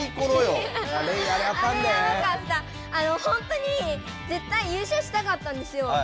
ほんとに絶対優勝したかったんですよ。